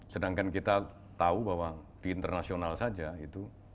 sedangkan kita tahu bahwa di internasional saja itu